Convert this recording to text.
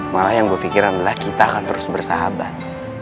malah yang gue pikir adalah kita akan terus bersahabat